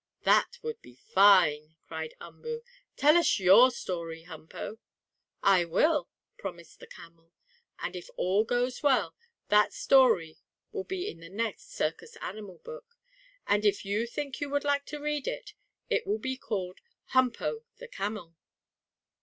"That would be fine!" cried Umboo. "Tell us your story, Humpo!" "I will," promised the camel. And, if all goes well, that story will be in the next Circus Animal Book; if you think you would like to read it. It will be called "Humpo, the Camel."